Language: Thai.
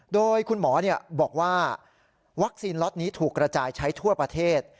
โดยคุณหมอบอกว่าวัคซีนล็อตนี้ถูกกระจายใช้ทั่วประเทศ